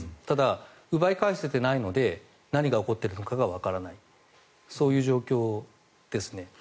ただ、奪い返せていないので何が起こっているかわからないそういう状況ですね。